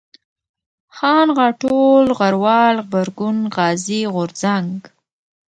خان ، غاټول ، غروال ، غبرگون ، غازي ، غورځنگ